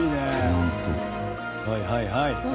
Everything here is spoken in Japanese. はいはいはい。